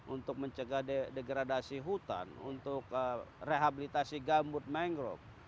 untuk mencegah degradasi hutan untuk rehabilitasi gambut mangrove